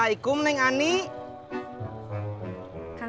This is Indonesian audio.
tidak ada motor